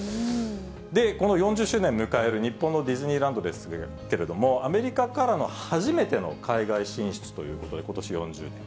この４０周年迎える日本のディズニーランドですけれども、アメリカからの初めての海外進出ということで、ことし４０年。